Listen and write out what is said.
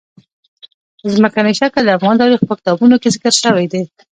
ځمکنی شکل د افغان تاریخ په کتابونو کې ذکر شوی دي.